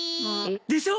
でしょ？